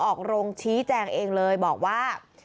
ออกโรงชี้แจงเองเลยบอกว่า